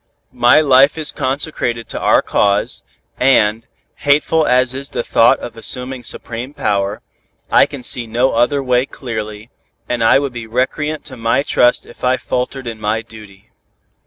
My life is consecrated to our cause, and, hateful as is the thought of assuming supreme power, I can see no other way clearly, and I would be recreant to my trust if I faltered in my duty.